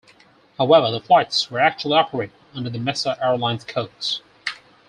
However, the flights were actually operated under the Mesa Airlines codes.